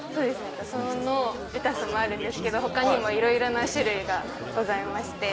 そのレタスもあるんですけど他にもいろいろな種類がございまして。